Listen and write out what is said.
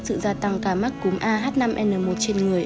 sự gia tăng ca mắc cúm ah năm n một trên người